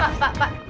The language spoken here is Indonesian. pak pak pak